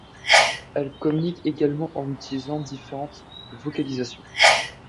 Elles communiquent également en utilisant différentes vocalisations.